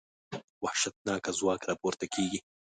وحشتناکه ځواک راپورته کېږي.